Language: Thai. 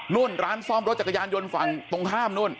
ร้านซ่อมรถจักรยานยนต์ฝั่งตรงข้ามนู่น